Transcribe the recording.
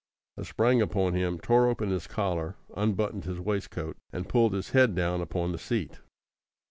I sprang upon him, tore open his collar, unbuttoned his waistcoat, and pulled his head down upon the seat.